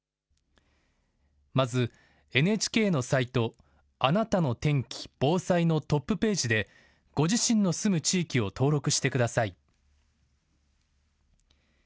まず、ＮＨＫのサイトあなたの天気・防災のトップページでご自身の住む地域を登録してください。